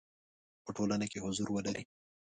په ټولنه کې حضور ولري.